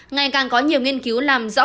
ngày càng có nhiều nghiên cứu làm rõ